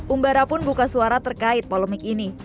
umbara pun buka suara terkait polemik ini